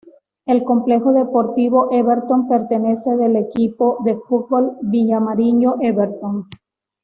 El Complejo Deportivo Everton pertenece de el equipo de fútbol viñamarino Everton.